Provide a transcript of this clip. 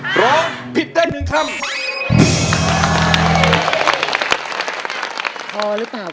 พอหรือเปล่าพี่อ้าว